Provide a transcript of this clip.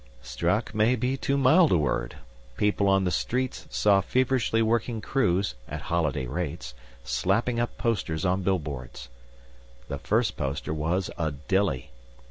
Struck may be too mild a word. People on the streets saw feverishly working crews (at holiday rates!) slapping up posters on billboards. The first poster was a dilly.